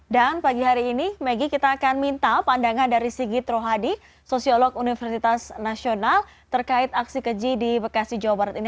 dan pagi hari ini maggie kita akan minta pandangan dari sigit rohadi sosiolog universitas nasional terkait aksi keji di bekasi jawa barat ini